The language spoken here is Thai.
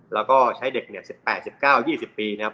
แล้วก็ใช้เด็ก๑๘๑๙๒๐ปีนะครับ